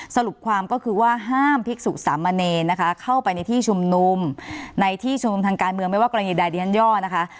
สรุปความก็คือว่าห้ามภิกษุสามเณรนะคะเข้าไปในที่ชุมนุมในที่ชุมนุมทางการเมืองไม่ว่ากรณีใดดิฉันย่อนะคะ